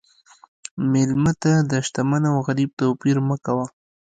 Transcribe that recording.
مېلمه ته د شتمن او غریب توپیر مه کوه.